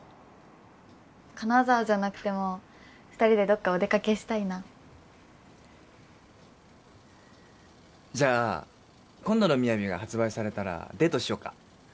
金沢じゃなくても２人でどっかお出かけしたいなじゃあ今度のＭＩＹＡＶＩが発売されたらデートしようか？